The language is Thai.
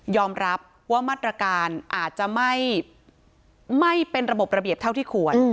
รับว่ามาตรการอาจจะไม่เป็นระบบระเบียบเท่าที่ควร